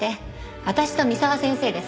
私と三沢先生で探すから。